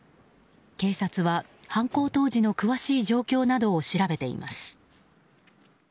警察は犯行当時の詳しい状況などを調べています。